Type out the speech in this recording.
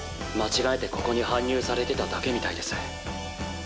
「間違えてここに搬入されてただけみたいです」